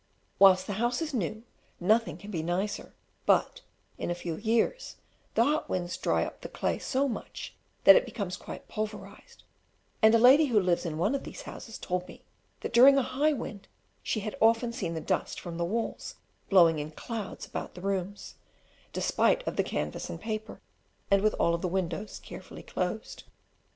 Whilst the house is new nothing can be nicer; but, in a few years, the hot winds dry up the clay so much, that it becomes quite pulverized; and a lady who lives in one of these houses told me, that during a high wind she had often seen the dust from the walls blowing in clouds about the rooms, despite of the canvas and paper, and with all the windows carefully closed.